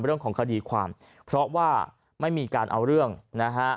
เรื่องของคดีความเพราะว่าไม่มีการเอาเรื่องนะฮะ